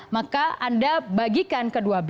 maka anda bagikan ke dua belas